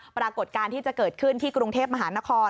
ปรากฏการณ์ที่จะเกิดขึ้นที่กรุงเทพมหานคร